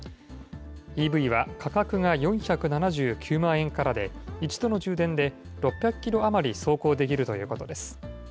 ＥＶは価格が４７９万円からで、一度の充電で６００キロ余り走行できるということです。